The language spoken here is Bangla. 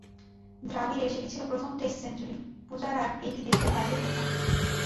দ্রাবিড়ের সেটি ছিল প্রথম টেস্ট সেঞ্চুরি, পূজারার এটি দেশের বাইরে প্রথম।